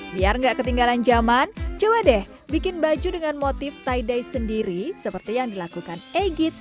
biar gak ketinggalan zaman coba deh bikin baju dengan motif tie dye sendiri seperti yang dilakukan egit dan sang buah hati kimi